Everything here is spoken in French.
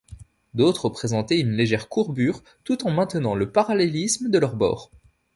D’autres présentaient une légère courbure tout en maintenant le parallélisme de leurs bords.